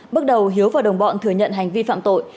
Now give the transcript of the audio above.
bước đầu hiếu và đồng bọn thừa nhận hành vi phạm tội